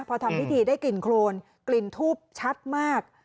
พอทำพิธีได้กลิ่นโครนกลิ่นทูบชัดมาก